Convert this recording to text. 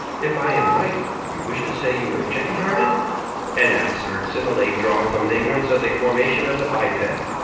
If I am right, you wish to say you were chicken hearted." "An absurd simile drawn from an ignorance of the formation of the biped.